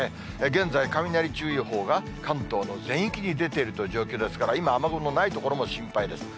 現在、雷注意報が関東の全域に出ているという状況ですから、今、雨雲ない所も心配です。